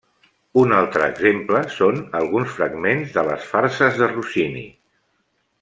Un altre exemple són alguns fragments de les farses de Rossini.